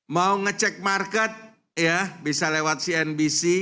mau ngecek market ya bisa lewat cnbc